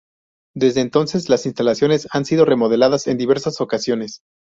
Desde entonces las instalaciones han sido remodeladas en diversas ocasiones.